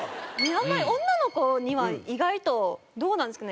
あんまり女の子には意外とどうなんですかね？